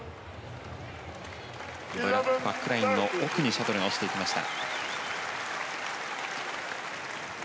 バックラインの奥にシャトルが落ちていきました。